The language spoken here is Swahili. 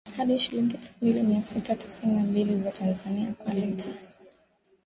hadi shilingi elfu mbili mia sita tisini na mbili za Tanzania kwa lita